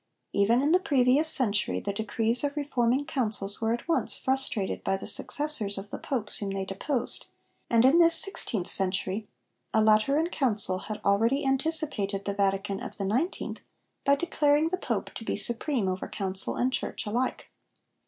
Even in the previous century the decrees of the reforming Councils were at once frustrated by the successors of the Popes whom they deposed, and in this sixteenth century a Lateran Council had already anticipated the Vatican of the nineteenth by declaring the Pope to be supreme over Council and Church alike.